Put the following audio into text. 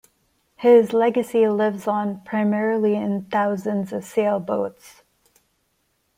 His legacy lives on primarily in thousands of sailboats.